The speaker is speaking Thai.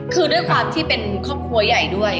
คือด้วยความที่เป็นครอบครัวใหญ่ด้วย